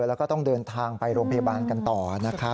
แล้วก็ต้องเดินทางไปโรงพยาบาลกันต่อนะครับ